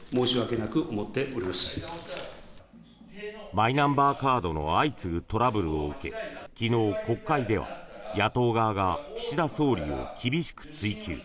マイナンバーカードの相次ぐトラブルを受け昨日、国会では野党側が岸田総理を厳しく追及。